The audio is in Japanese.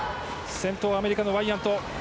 先頭はアメリカのワイヤント。